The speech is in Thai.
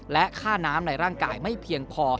และค่าน้ำในร่างกายไม่เพียงพอ